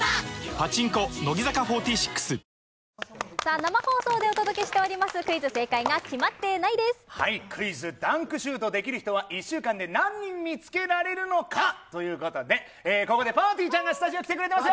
生放送でお届けしております、クイズダンクシュートできる人は、１週間で何人見つけられるのかということで、ここでぱーてぃーちゃんがスタジオに来てくれてます。